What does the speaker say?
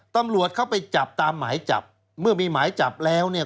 ตำรวจเข้าไปจับตามหมายจับเมื่อมีหมายจับแล้วเนี่ย